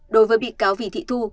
đối với bị cáo